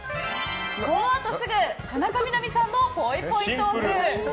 このあとすぐ田中みな実さんのぽいぽいトーク。